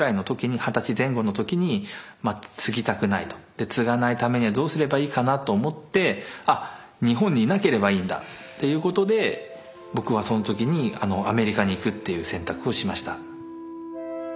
で継がないためにはどうすればいいかなと思ってあっ日本にいなければいいんだっていうことで僕はその時にアメリカに行くっていう選択をしました。